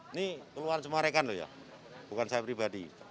ini keluhan semua rekan loh ya bukan saya pribadi